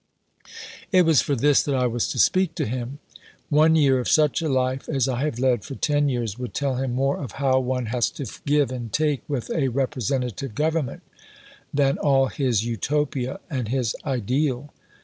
(It was for this that I was to speak to him.) One year of such a life, as I have led for ten years, would tell him more of how one has to give and take with a "representative Government" than all his Utopia and his "ideal."